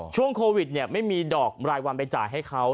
ช่วงโควิดไม่มีดอกรายวันไปจ่ายให้เขา